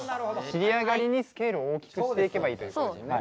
尻上がりにスケールを大きくしていけばいいということですよね。